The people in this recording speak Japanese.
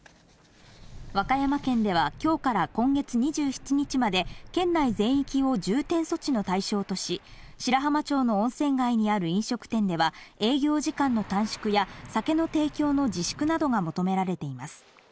和歌山県では、きょうから今月２７日まで、県内全域を重点措置の対象とし、白浜町の温泉街にある飲食店では、営業時間の短縮や、酒の提供の自粛などが求められています。